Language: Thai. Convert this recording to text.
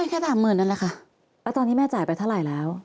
แล้วตอนนี้แม่จ่ายไปเท่าไหร่แล้ว